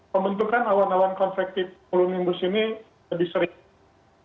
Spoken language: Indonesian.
pembentukan awan awan konvektif kolonimbus ini lebih sering